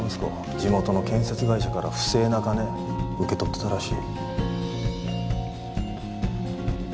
地元の建設会社から不正な金受け取ってたらしい。